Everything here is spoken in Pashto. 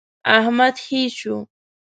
احمد خې شو.